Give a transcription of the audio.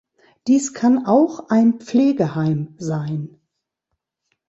Dies kann auch ein Pflegeheim sein.